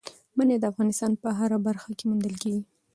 منی د افغانستان په هره برخه کې موندل کېږي.